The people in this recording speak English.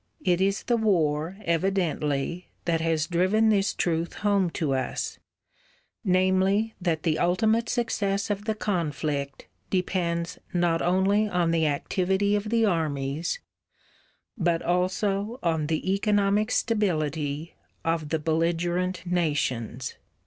It is the war, evidently, that has driven this truth home to us: namely that the ultimate success of the conflict depends not only on the activity of the armies, but also on the economic stability of the belligerent nations.